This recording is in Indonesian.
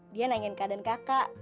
dia nanyain kak dan kakak